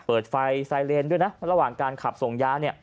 เปิดไฟไซเรนด์ด้วยนะระหว่างการขับส่งยา